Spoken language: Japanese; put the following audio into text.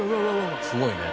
すごいね。